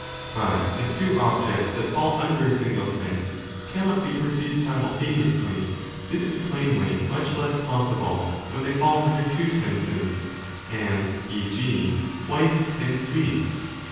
But if two objects that fall under a single sense cannot be perceived simultaneously, this is plainly much less possible when they fall under two senses, as e.g. white and sweet.